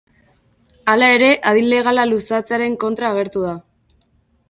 Hala ere, adin legala luzatzearen kontra agertu da.